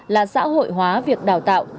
là xã hội hóa việc đào tạo